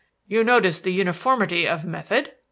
"You notice the uniformity of method.